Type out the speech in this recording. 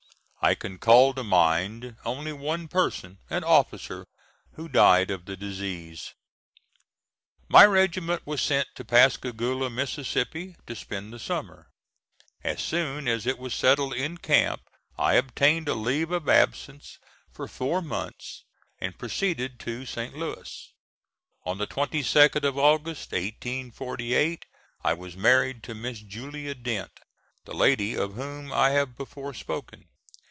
I can call to mind only one person, an officer, who died of the disease. My regiment was sent to Pascagoula, Mississippi, to spend the summer. As soon as it was settled in camp I obtained a leave of absence for four months and proceeded to St. Louis. On the 22d of August, 1848, I was married to Miss Julia Dent, the lady of whom I have before spoken.